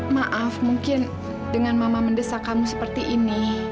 maaf mungkin dengan mama mendesak kamu seperti ini